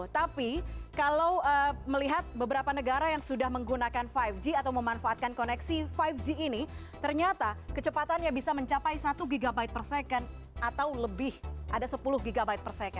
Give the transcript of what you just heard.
tapi kalau melihat beberapa negara yang sudah menggunakan lima g atau memanfaatkan koneksi lima g ini ternyata kecepatannya bisa mencapai satu gb per second atau lebih ada sepuluh gb per second